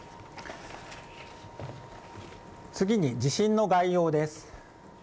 次に、地震の概要です。